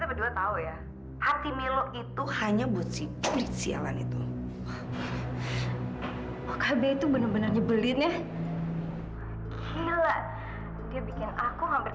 eh bayaran gua aja belum mutransfer